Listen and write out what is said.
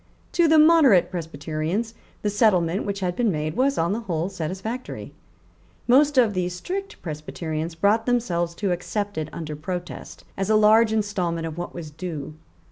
To the moderate Presbyterians the settlement which had been made was on the whole satisfactory. Most of the strict Presbyterians brought themselves to accept it under protest, as a large instalment of what was due.